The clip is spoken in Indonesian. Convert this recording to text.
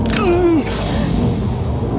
datanglah padaku wulan